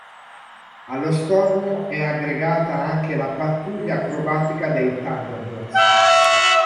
Allo stormo è aggregata anche la pattuglia acrobatica dei Thunderbirds.